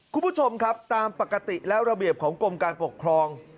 คุณผู้ชมครับตามปกติแล้วระเบียบของกรมการปกครอง